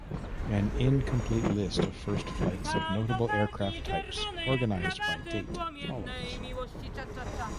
An incomplete list of first flights of notable aircraft types, organized by date, follows.